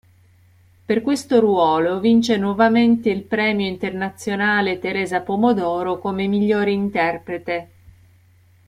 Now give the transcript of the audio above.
Per questo ruolo, vince nuovamente il Premio Internazionale Teresa Pomodoro come miglior interprete.